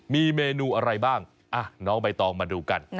มีเมนูอะไรบ้างน้องใบตองมาดูกัน